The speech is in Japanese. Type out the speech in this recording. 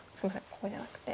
ここじゃなくて。